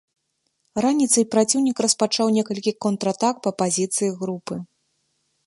Раніцай праціўнік распачаў некалькі контратак на пазіцыі групы.